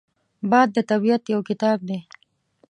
باد د طبیعت یو کتاب دی